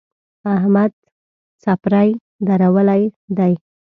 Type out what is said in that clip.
احمد څپری درولی دی.